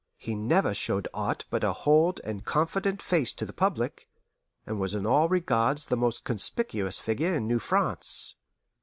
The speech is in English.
He never showed aught but a hold and confident face to the public, and was in all regards the most conspicuous figure in New France.